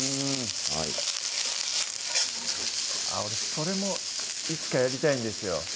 俺それもいつかやりたいんですよ